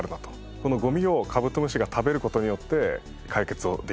このゴミをカブトムシが食べる事によって解決できると。